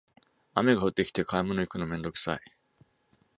雨が降ってきて買い物行くのめんどくさい